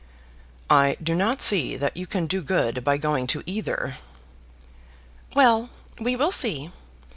"I do not see that you can do good by going to either." "Well, we will see.